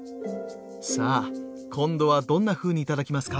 さあ今度はどんなふうに頂きますか？